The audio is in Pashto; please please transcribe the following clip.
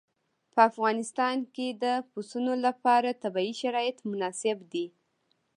په افغانستان کې د پسونو لپاره طبیعي شرایط مناسب دي.